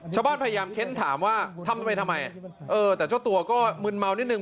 ชาวบ้านพยายามเค้นถามว่าทำทำไมทำไมเออแต่เจ้าตัวก็มึนเมานิดนึ